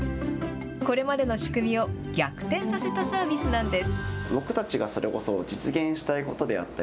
これまでの仕組みを逆転させたサービスなんです。